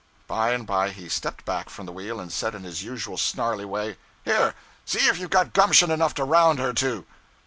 By and by he stepped back from the wheel and said in his usual snarly way 'Here! See if you've got gumption enough to round her to.'